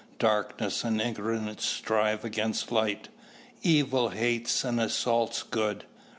Darkness and ignorance strive against light. Evil hates and assaults good.